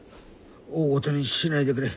大ごとにしないでくれ。